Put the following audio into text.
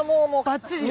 ばっちりよ。